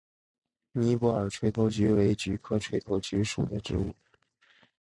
尼泊尔垂头菊为菊科垂头菊属的植物。